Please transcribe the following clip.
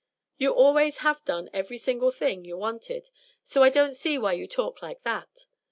"You always have done every single thing you wanted, so I don't see why you talk like that.